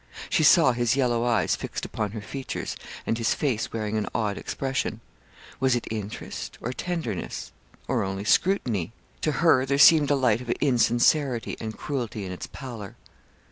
She saw his yellow eyes fixed upon her features, and his face wearing an odd expression was it interest, or tenderness, or only scrutiny; to her there seemed a light of insincerity and cruelty in its pallor.